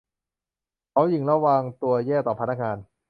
เขาหยิ่งและวางตัวแย่ต่อพนักงาน